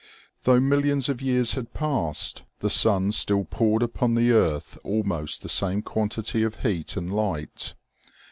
Though millions of years had passed, the sun still poured upon the earth almost the same quantity of heat and light.